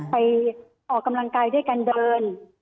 ไปออกกำลังกายด้วยการเดิน